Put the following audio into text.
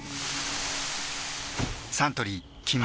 サントリー「金麦」